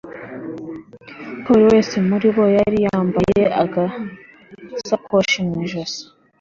ko buri wese muri bo yari yambaye agasakoshi mu ijosi